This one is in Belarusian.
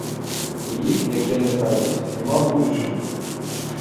І ў іх, як яны кажуць, няма будучыні.